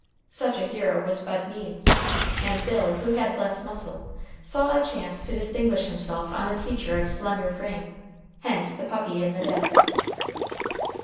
Such a hero was Bud Means; and Bill, who had less muscle, saw a chance to distinguish himself on a teacher of slender frame. Hence the puppy in the desk.